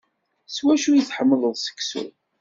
S wacu i tḥemmleḍ seksu?